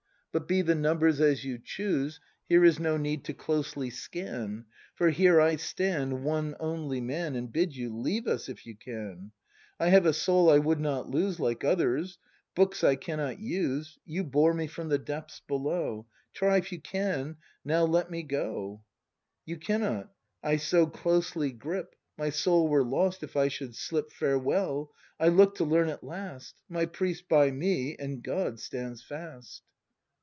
But be the numbers as you choose. Here is no need to closely scan; For here I stand, one only Man, And bid you: Leave us, if you can! I have a soul I would not lose. Like others; books I cannot use. You bore me from the depths below, — Try if you now can let me go! You cannot, — I so closely grip. My soul were lost if I should slip Farewell; I look to learn at last; My priest by me— and God— stands fast.